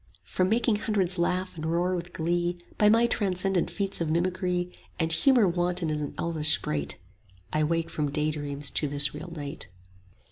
20 From making hundreds laugh and roar with glee By my transcendent feats of mimicry, And humour wanton as an elvish sprite: I wake from daydreams to this real night.